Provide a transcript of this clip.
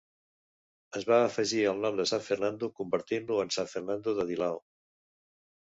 Es va afegir el nom San Fernando, convertint-lo en San Fernando de Dilao.